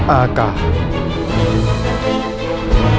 อากาศ